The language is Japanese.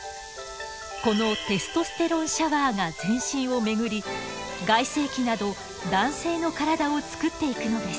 このテストステロンシャワーが全身を巡り外性器など男性の体を作っていくのです。